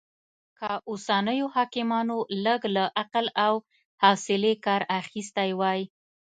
که اوسنيو حاکمانو لږ له عقل او حوصلې کار اخيستی وای